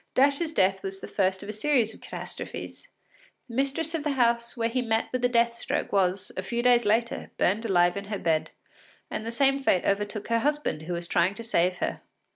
Dash’s death was the first of a series of catastrophes: the mistress of the house where he met with the death stroke was, a few days later, burned alive in her bed, and the same fate overtook her husband who was trying to save her.